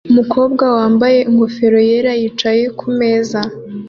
umukobwa wambaye ingofero yera yicaye kumeza